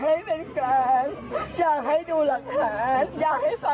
ใครเอาตอนนี้คุณมาเอาตอนนี้มันไม่มีคนชิงให้คุณแล้ว